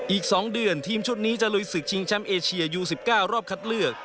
อีก๒เดือนทีมชุดนี้จะลุยศึกชิงแชมป์เอเชียยู๑๙รอบคัดเลือก